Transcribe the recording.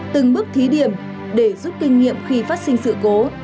từng bước thí điểm để giúp kinh nghiệm khi phát sinh sự cố